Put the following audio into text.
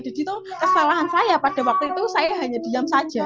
jadi itu kesalahan saya pada waktu itu saya hanya diam saja